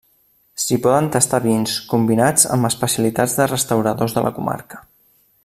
Si poden tastar vins, combinats amb especialitats de restauradors de la comarca.